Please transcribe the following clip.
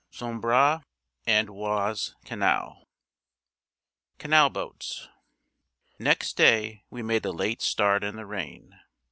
SAMBRE AND OISE CANAL: CANAL BOATS NEXT day we made a late start in the rain.